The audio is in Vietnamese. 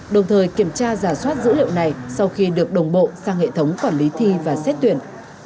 đồng thời kiểm tra giả soát dữ liệu này sau khi được đồng bộ sang hệ thống quản lý thi và xét tuyển